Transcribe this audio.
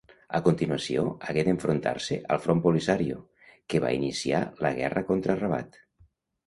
A continuació hagué d'enfrontar-se al Front Polisario, que va iniciar la guerra contra Rabat.